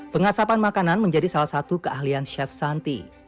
pengasapan makanan menjadi salah satu keahlian chef santi